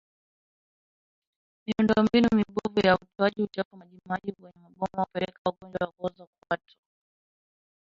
Miundombinu mibovu ya utoaji uchafu wa majimaji kwenye maboma hupelekea ugonjwa wa kuoza kwato